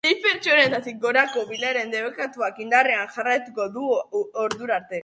Sei pertsonatik gorako bileren debekuak indarrean jarraituko du ordura arte.